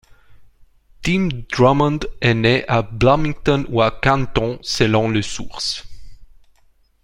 Tim Drummond est né à Bloomington ou à Canton selon les sources.